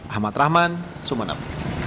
ahmad rahman sumenep